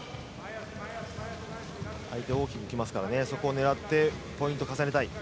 相手は大きく来ますからねそこを狙ってポイントを重ねたい。